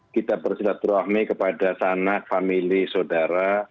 kita berselatur rahmi kepada sanak famili saudara